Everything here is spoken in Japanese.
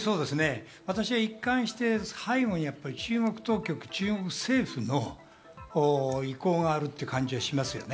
私は一貫して背後に中国当局、中国政府の意向があるって感じがしますよね。